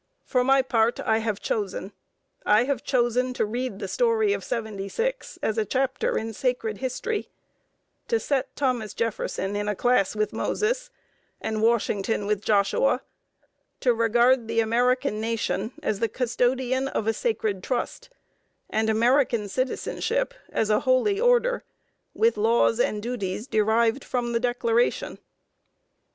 For my part, I have chosen. I have chosen to read the story of '76 as a chapter in sacred history; to set Thomas Jefferson in a class with Moses, and Washington with Joshua; to regard the American nation as the custodian of a sacred trust, and American citizenship as a holy order, with laws and duties derived from the Declaration.